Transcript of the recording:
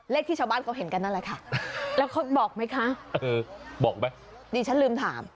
ที่ชาวบ้านเขาเห็นกันนั่นแหละค่ะแล้วเขาบอกไหมคะเออบอกไหมดิฉันลืมถาม